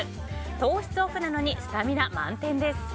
糖質オフなのにスタミナ満点です。